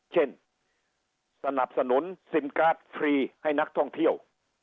สนับสนุนซิมการ์ดฟรีให้นักท่องเที่ยว